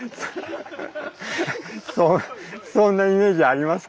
そんなイメージありますか？